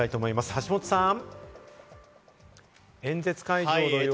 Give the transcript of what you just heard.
橋本さん！